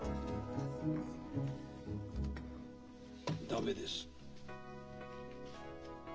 駄目です。